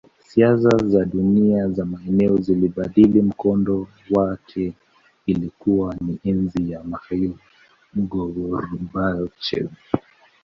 Siasa za dunia za maeneo zilibadili mkondo wake Ilikuwa ni enzi ya Mikhail Gorbachev